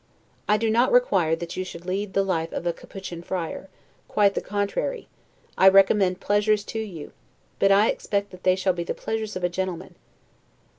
I do not require that you should lead the life of a Capuchin friar; quite the contrary: I recommend pleasures to you; but I expect that they shall be the pleasures of a gentleman.